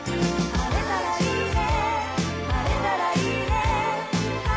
「晴れたらいいね」